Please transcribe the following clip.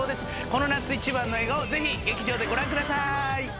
この夏一番の映画をぜひ劇場でご覧ください。